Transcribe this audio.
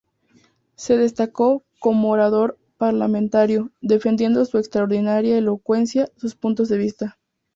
Se destacó como orador parlamentario, defendiendo con extraordinaria elocuencia sus puntos de vista.